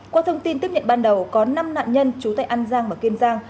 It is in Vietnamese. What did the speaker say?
qua thông tin tiếp nhận ban đầu có năm nạn nhân trú tại an giang và kiên giang